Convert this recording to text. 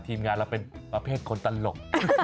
ทีมงานเราเป็นประเภทคนตลก